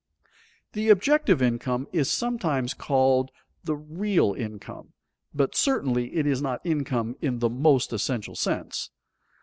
_ The objective income is sometimes called the "real" income, but certainly it is not income in the most essential sense.